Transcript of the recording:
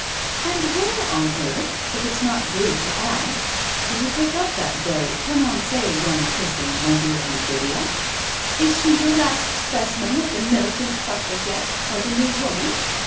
" And where on earth, if it's not rude to ask, did you pick up that very prononcie young person, my dear Aunt Lydia? Is she your last specimen of the Militant Suffragette or the New Woman?"